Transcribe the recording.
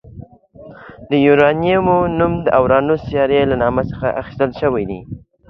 د یوارنیمو نوم د اورانوس سیارې له نامه څخه